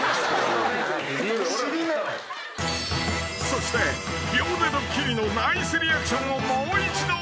［そして秒でドッキリのナイスリアクションをもう一度］